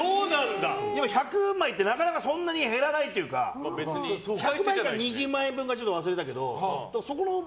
１００枚って、なかなかそんなに減らないというか１００枚か２０万円分か忘れたけど。